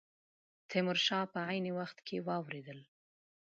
تیمور شاه په عین وخت کې واورېدل.